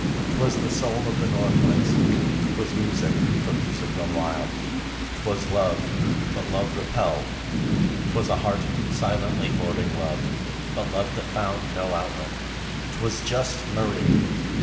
'Twas the soul of the northlands; Twas music, but music run wild; 'twas love, but love repelled; Twas a heart silently hoarding love, but love that found no outlet. 'Twas just Marie